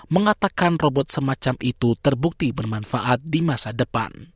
mengatakan robot semacam itu terbukti bermanfaat di masa depan